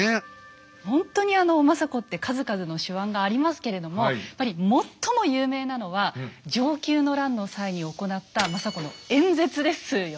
ほんとに政子って数々の手腕がありますけれどもやっぱり最も有名なのは承久の乱の際に行った政子の演説ですよね。